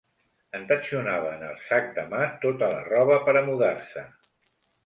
Entatxonava en el sac de mà tota la roba per a mudar-se.